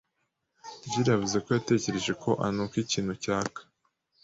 Jule yavuze ko yatekereje ko anuka ikintu cyaka.